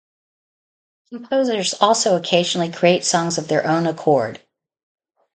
Composers also occasionally create songs of their own accord.